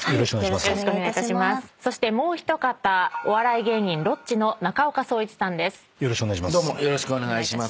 そしてもう一方お笑い芸人ロッチの中岡創一さんです。